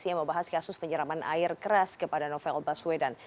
yang membahas kasus penyeraman air keras kepada novel baswedan